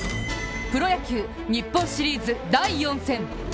プロ野球日本シリーズ第４戦。